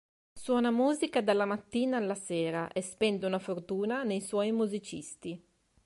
Suona musica dalla mattina alla sera e spende una fortuna nei suoi musicisti.